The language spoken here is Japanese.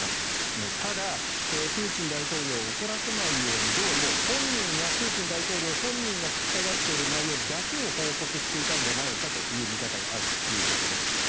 ただ、プーチン大統領を怒らせないようにどうもプーチン大統領本人が聞きたがっている内容だけを報告していたんじゃないかという見方があるということです。